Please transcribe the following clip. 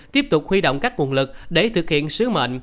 tiếp tục huy động các nguồn lực để thực hiện sứ mệnh